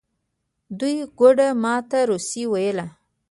دوی ګوډه ما ته روسي ویله.